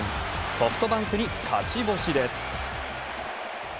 ソフトバンクに勝ち星です。